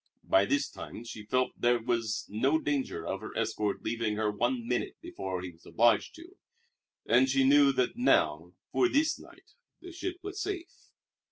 By this time she felt that there was no danger of her escort leaving her one minute before he was obliged to; and she knew that now, for this night, the ship was safe.